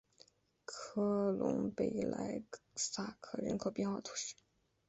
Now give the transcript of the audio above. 科隆贝莱塞克人口变化图示